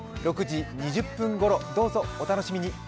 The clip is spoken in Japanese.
６時２０分ごろどうぞお楽しみに。